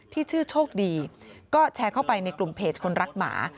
ที่ชื่อโชคดีก็แชร์เข้าไปในกลุ่มเพจคนรักหมา